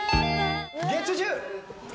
月１０！